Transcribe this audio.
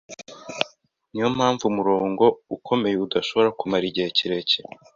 Niyo mpamvu umurongo ukomeye udashobora kumara igihe kirekire